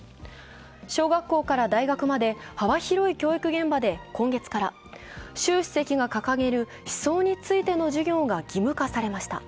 小学校から大学まで幅広い教育現場で今月から、習主席が掲げる思想についての授業が義務化されました。